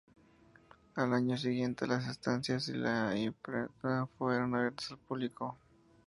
Al año siguiente las estancias y la imprenta fueron abiertas al público.